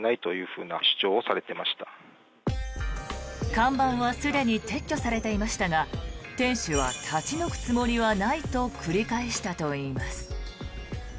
看板はすでに撤去されていましたが店主は立ち退くつもりはないと繰り返したといいます。